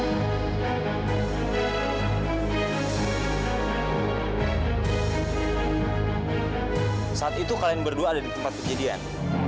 saat itu kalian berdua ada di tempat kejadian